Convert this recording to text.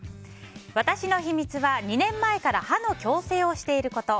私の秘密は２年前から歯の矯正をしていること。